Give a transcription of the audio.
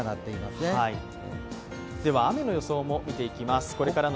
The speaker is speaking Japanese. これからの雨の予想も見ていきます。